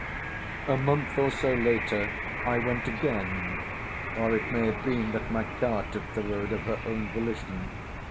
A month or so later—I went again, or it may have been that my car took the road of her own volition.